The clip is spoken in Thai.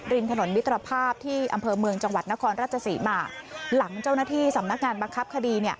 ถนนมิตรภาพที่อำเภอเมืองจังหวัดนครราชศรีมาหลังเจ้าหน้าที่สำนักงานบังคับคดี